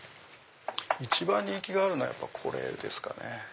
一番人気があるのはやっぱこれですかね。